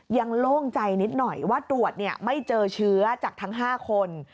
โล่งใจนิดหน่อยว่าตรวจไม่เจอเชื้อจากทั้ง๕คน